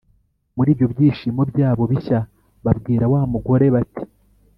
Muri ibyo byishimo byabo bishya babwira wa mugore bati